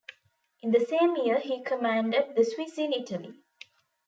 In the same year he commanded the Swiss in Italy.